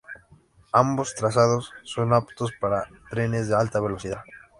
Ambos trazados son aptos para trenes de alta velocidad.